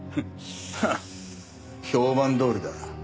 ハッ評判どおりだ。